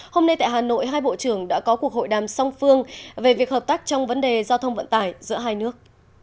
hôm nay tại hà nội hai bộ trưởng đã có cuộc hội đàm song phương về việc hợp tác trong vấn đề giao thông vận tải giữa hai nước